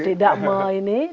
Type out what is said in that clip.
tidak memotong kayu